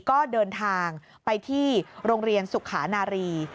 ก็เดินทางไปที่โรงเรียนสุขานารี